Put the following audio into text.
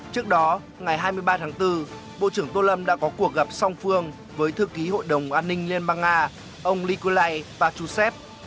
trước đó ngày hai mươi ba tháng bốn bộ trưởng tô lâm đã có cuộc gặp song phương với thư ký hội đồng an ninh liên bang nga ông nikolai pachusev